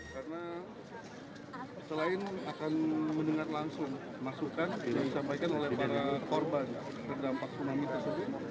karena selain akan mendengar langsung masukan yang disampaikan oleh para korban terdampak tsunami tersebut